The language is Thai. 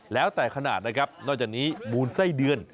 แล้วแต่ขนาดนะครับนอกจากนี้มูลไส้เดือน